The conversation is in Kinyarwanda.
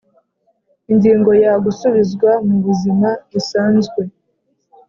Ingingo ya gusubizwa mu buzima busanzwe